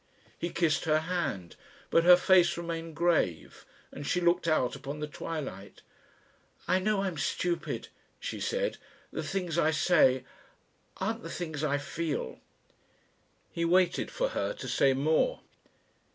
He kissed her hand, but her face remained grave, and she looked out upon the twilight. "I know I'm stupid," she said. "The things I say ... aren't the things I feel." He waited for her to say more.